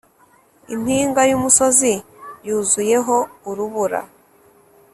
impinga yumusozi yuzuyeho urubura.